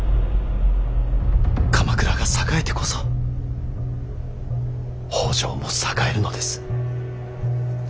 鎌倉が栄えてこそ北条も栄えるのです。